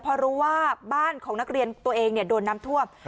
เพราะรู้ว่าบ้านของนักเรียนตัวเองโดนน้ำท่วม